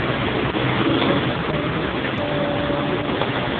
古德柴尔德在麦克马斯特大学攻读博士时对护城洞进行了重新审视。